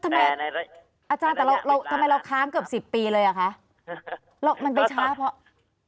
อาจารย์แต่เราเราทำไมเราค้างเกือบสิบปีเลยอ่ะคะเรามันไปช้าเพราะ